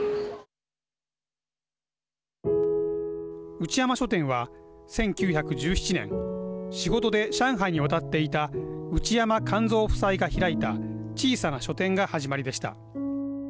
内山書店は１９１７年仕事で上海に渡っていた内山完造夫妻が開いた小さな書店が始まりでした。